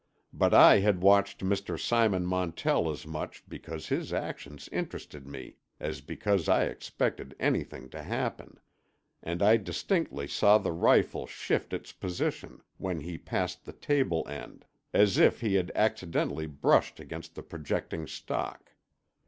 But I had watched Mr. Simon Montell as much because his actions interested me as because I expected anything to happen. And I distinctly saw the rifle shift its position when he passed the table end; as if he had accidentally brushed against the projecting stock.